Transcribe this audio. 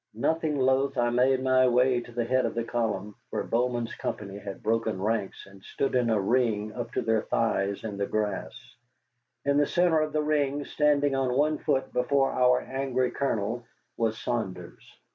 Nothing loath, I made my way to the head of the column, where Bowman's company had broken ranks and stood in a ring up to their thighs in the grass. In the centre of the ring, standing on one foot before our angry Colonel, was Saunders.